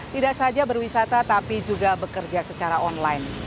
tidak saja berwisata tapi juga bekerja secara online